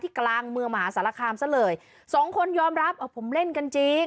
กลางเมืองมหาสารคามซะเลยสองคนยอมรับผมเล่นกันจริง